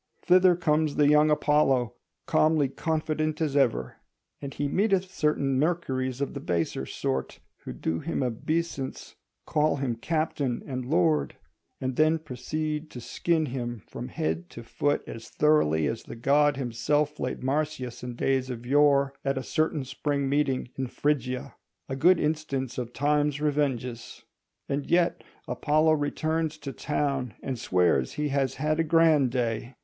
Thither comes the young Apollo, calmly confident as ever; and he meeteth certain Mercuries of the baser sort, who do him obeisance, call him captain and lord, and then proceed to skin him from head to foot as thoroughly as the god himself flayed Marsyas in days of yore, at a certain Spring Meeting in Phrygia: a good instance of Time's revenges. And yet Apollo returns to town and swears he has had a grand day.